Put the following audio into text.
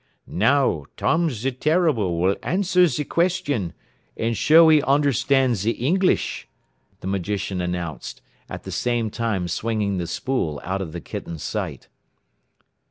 "Now Tom ze Terrible will answer ze question, and show he onderstan' ze Ingleesh," the magician announced, at the same time swinging the spool out of the kitten's sight.